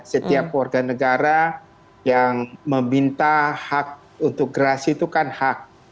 setiap warga negara yang meminta hak untuk gerasi itu kan hak